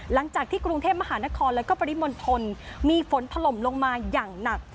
หลังจากที่กรุงเทพมหานครแล้วก็ปริมณฑลมีฝนถล่มลงมาอย่างหนัก